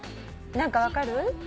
何か分かる？